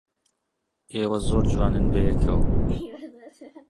ئێوە زۆر جوانن بەیەکەوە.